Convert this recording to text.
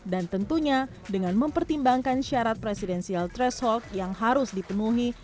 dan tentunya dengan mempertimbangkan syarat presidensial threshold yang harus dipenuhi